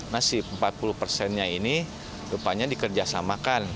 nah si empat puluh persennya ini rupanya dikerjasamakan